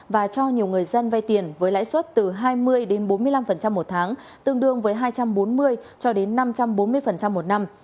và cho nhiều người dân vay tiền với lãi suất từ hai mươi bốn mươi năm một tháng tương đương với hai trăm bốn mươi cho đến năm trăm bốn mươi một năm